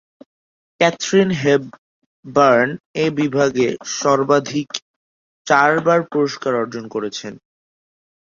Catherine Hepburn এই বিভাগে সর্বাধিক চারবার পুরস্কার অর্জন করেছেন।